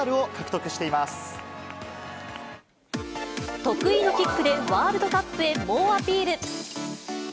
得意のキックでワールドカップへ猛アピール。